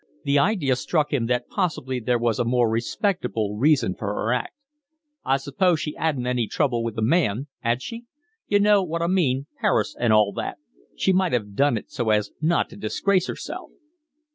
The idea struck him that possibly there was a more respectable reason for her act. "I suppose she 'adn't any trouble with a man, 'ad she? You know what I mean, Paris and all that. She might 'ave done it so as not to disgrace herself."